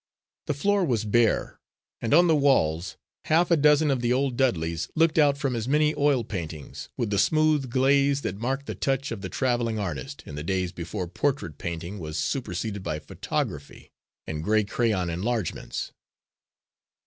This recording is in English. The floor was bare, and on the walls half a dozen of the old Dudleys looked out from as many oil paintings, with the smooth glaze that marked the touch of the travelling artist, in the days before portrait painting was superseded by photography and crayon enlargements.